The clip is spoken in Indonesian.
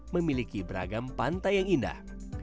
memiliki beragam pantai yang indah